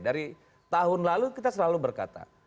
dari tahun lalu kita selalu berkata